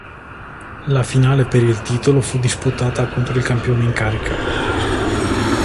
La finale per il titolo fu disputata contro il campione in carica.